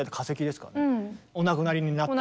お亡くなりになった。